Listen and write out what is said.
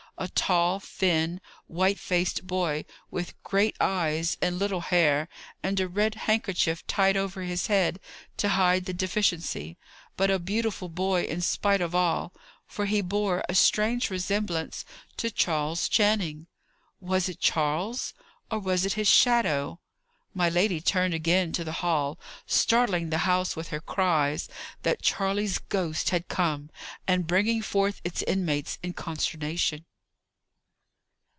A tall, thin, white faced boy, with great eyes and little hair, and a red handkerchief tied over his head, to hide the deficiency; but a beautiful boy in spite of all, for he bore a strange resemblance to Charles Channing. Was it Charles? Or was it his shadow? My lady turned again to the hall, startling the house with her cries, that Charley's ghost had come, and bringing forth its inmates in consternation.